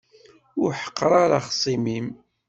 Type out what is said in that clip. Ur ḥeqqeṛ ara axṣim-im.